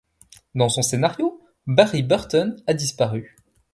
Dans son scénario, Barry Burton a disparu.